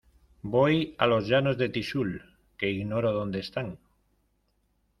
voy a los llanos de Tixul, que ignoro dónde están.